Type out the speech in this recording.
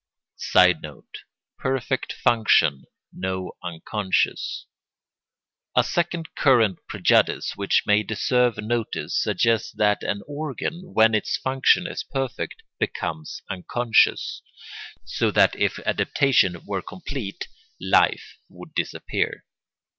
[Sidenote: Perfect function no unconscious.] A second current prejudice which may deserve notice suggests that an organ, when its function is perfect, becomes unconscious, so that if adaptation were complete life would disappear.